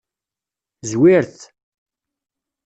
Zwiret.